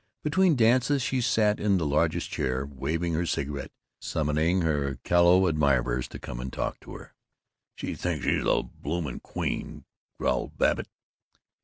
Between dances she sat in the largest chair, waving her cigarette, summoning her callow admirers to come and talk to her. ("She thinks she's a blooming queen!" growled Babbitt.)